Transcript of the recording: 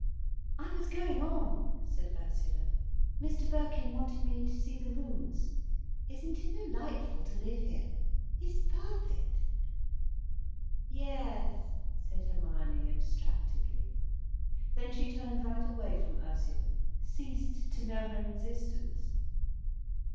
"I was going on," said Ursula. "Mr Birkin wanted me to see the rooms. Isn't it delightful to live here? It is perfect." "Yes," said Hermione, abstractedly. Then she turned right away from Ursula, ceased to know her existence.